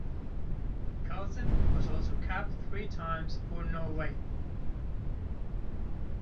Karlsen was also capped three times for Norway.